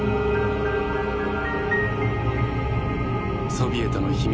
ソビエトの秘密